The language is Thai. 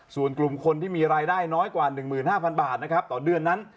ส่วนกลุ่มคนที่มีรายได้น้อยกว่า๑๕๐๐บาทนะครับต่อเดือนนั้น